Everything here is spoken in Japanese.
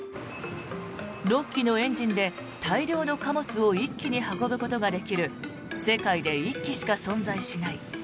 ６基のエンジンで大量の貨物を一気に運ぶことができる世界で１機しか存在しない